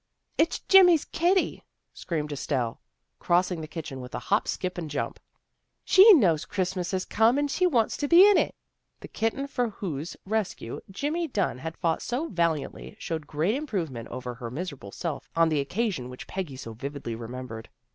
" It's Jimmy's kitty," screamed Estelle, crossing the kitchen with a hop, skip and jump. " She knows Christmas has come and she wants to be in it." The kitten for whose rescue Jimmy Dunn had fought so valiantly, showed great improve ment over her miserable self on the occasion which Peggy so vividly remembered.